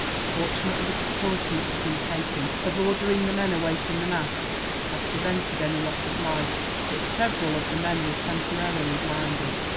Fortunately the precaution which had been taken, of ordering the men away from the mast, had prevented any loss of life; but several of the men were temporarily blinded.